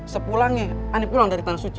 sepulangnya ani pulang dari tanah suci